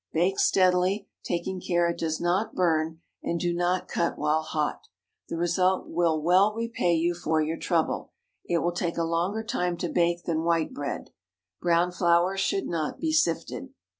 Bake steadily, taking care it does not burn, and do not cut while hot. The result will well repay you for your trouble. It will take a longer time to bake than white bread. Brown flour should not be sifted.